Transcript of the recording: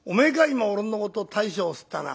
今俺のことを大将っつったのは」。